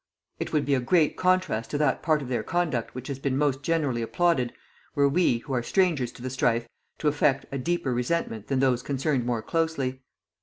It would be a great contrast to that part of their conduct which has been most generally applauded, were we, who are strangers to the strife, to affect a deeper resentment than those concerned more closely.